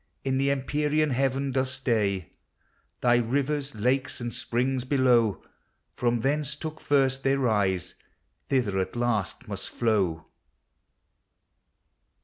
In the empyrean heaven docs stay. Thy rivers, lakes, and springs, below, From thence took first their rise, thither at last must How.